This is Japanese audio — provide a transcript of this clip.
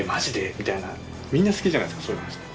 みたいなみんな好きじゃないですかそういう話って。